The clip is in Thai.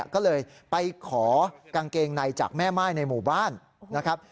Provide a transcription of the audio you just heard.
ก็เลยไปขอกางเกงในจากแม่ม่ายในหมู่บ้านนะครับ